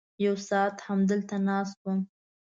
یو ساعت همدلته ناست وم.